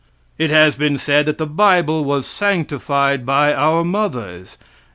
It has been said that the bible was sanctified by our mothers.